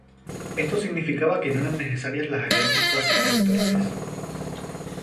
Esto significaba que no eran necesarias las alianzas post-electorales.